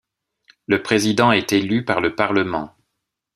Le président est élu par le parlement.